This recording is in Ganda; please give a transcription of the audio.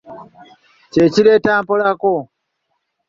Kye kireeta mpolaako.